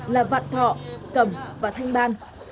là vạn thọ cầm và thanh ban